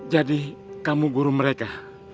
jadi kamu guru mereka